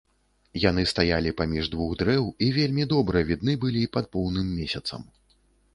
Яны стаялі паміж двух дрэў і вельмі добра відны былі пад поўным месяцам.